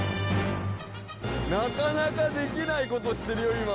なかなかできないことしてるよ